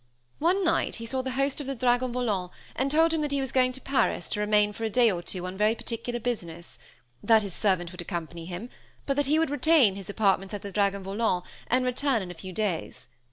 One night he saw the host of the Dragon Volant, and told him that he was going into Paris, to remain for a day or two, on very particular business; that his servant would accompany him, but that he would retain his apartments at the Dragon Volant, and return in a few days.